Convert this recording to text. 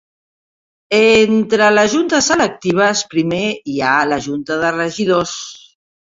Entre les juntes electives primer hi ha la junta de regidors.